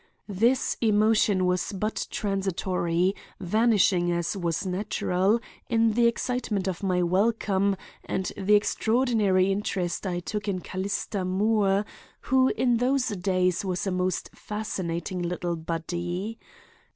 This emotion was but transitory, vanishing, as was natural, in the excitement of my welcome and the extraordinary interest I took in Callista Moore, who in those days was a most fascinating little body.